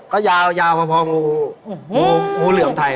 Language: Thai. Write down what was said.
ก็ยาวพองูงูเหลือมไทย